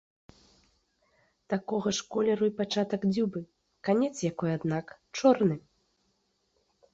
Такога ж колеру і пачатак дзюбы, канец якой, аднак, чорны.